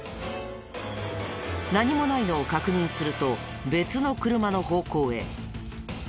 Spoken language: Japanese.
何もないのを確認すると別の車の方向へ。